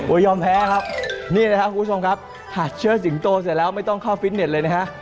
ยอมแพ้ครับนี่นะครับคุณผู้ชมครับหากเชื่อสิงโตเสร็จแล้วไม่ต้องเข้าฟิตเน็ตเลยนะฮะ